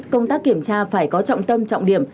công tác kiểm tra phải có trọng tâm trọng điểm